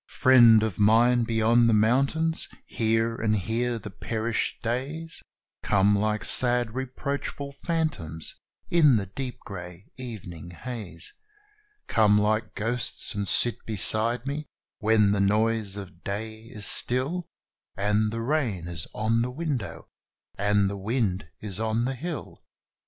Friend of mine beyond the mountains, here and here the perished days Come like sad reproachful phantoms, in the deep grey evening haze Come like ghosts, and sit beside me when the noise of day is still, And the rain is on the window, and the wind is on the hill.